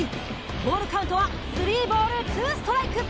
ボールカウントはスリーボールツーストライク。